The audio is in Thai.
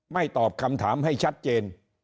ตอบคำถามให้ชัดเจน